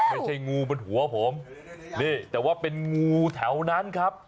ไม่ใช่งูบนหัวผมนี่แต่ว่าเป็นงูแถวนั้นครับ